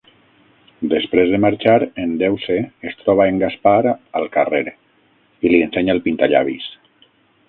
Després de marxar, en Deuce es troba en Gaspar al carrer i li ensenya el pintallavis.